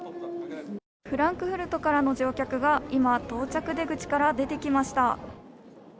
フランクフルトからの乗客が、今到着出口から出てきました。